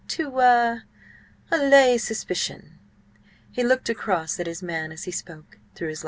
"To–ah–allay suspicion." He looked across at his man as he spoke, through his lashes.